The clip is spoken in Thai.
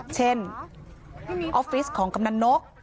เช่นออฟฟิศของกำนันนก